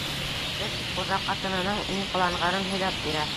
Эт хужа ҡатынының ни ҡыланғанын һөйләп бирә.